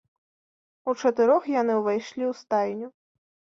Учатырох яны ўвайшлі ў стайню.